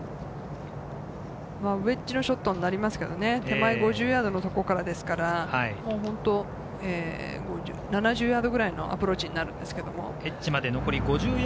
ウエッジのショットになりますけれど、手前５０ヤードの所からですから、７０ヤードくらいのアプローチになります。